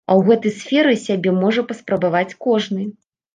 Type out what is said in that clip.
А ў гэтай сферы сябе можа паспрабаваць кожны.